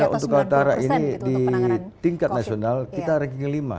ya alhamdulillah untuk kalahara ini di tingkat nasional kita ranking lima